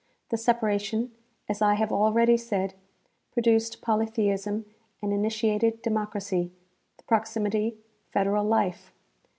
The separation, as I have already said, produced polytheism and initiated democracy ; the proximity, federal life.